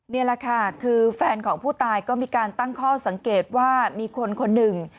นี่แหละค่ะคือแฟนของผู้ตายก็มีการตั้งข้อสังเกตว่ามีคนคนหนึ่ง